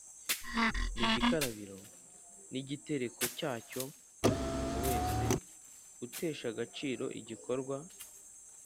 n igikarabiro n igitereko cyacyo Umuntu wese utesha agaciro igikorwa